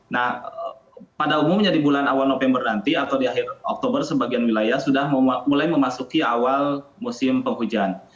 nah pada umumnya di bulan awal november nanti atau di akhir oktober sebagian wilayah sudah mulai memasuki awal musim penghujan